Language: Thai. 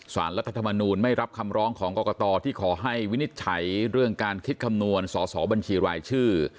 รัฐธรรมนูลไม่รับคำร้องของกรกตที่ขอให้วินิจฉัยเรื่องการคิดคำนวณสอสอบัญชีรายชื่อ